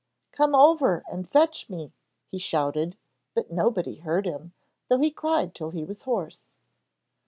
'Come over and fetch me,' he shouted, but nobody heard him, though he cried till he was hoarse.